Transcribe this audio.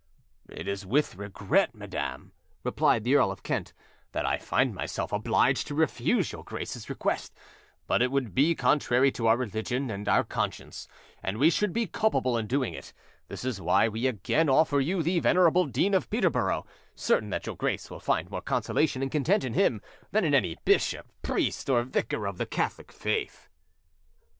"It is with regret, madam," replied the Earl of Kent, "that I find myself obliged to refuse your Grace's, request; but it would be contrary to our religion and our conscience, and we should be culpable in doing it; this is why we again offer you the venerable Dean of Peterborough, certain that your Grace will find more consolation and content in him than in any bishop, priest, or vicar of the Catholic faith."